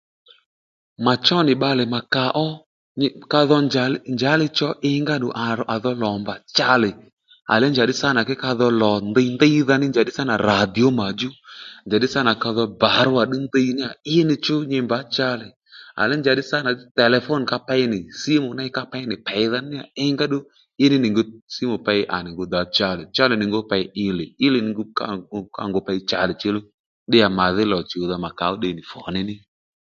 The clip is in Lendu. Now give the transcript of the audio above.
Mà chó nì bbalè mà kà ó nyì ka dho njà njǎli cho ingá dò à dho lò mbà chálè à le njàddí sâ nà ke kadho lò ndiy ndíydha nì njàddí sânà ràdìo màdjú njàddí sâ nà kadho bàrúwà ddí ndíy í ni chú nyi mbǎ chalè à le njàddí sânà telefone ney ka pey nì simù ney ka pey nì peydha ní níyà ingá ddù í li ni ngu simu pěy à nì dǎ chalè chali nì ngu pey i lè í li nìngu pey ka ngu pěy chalè chení ddíyà màdhí lò chùwdha mà kà ó à tde nì funí ní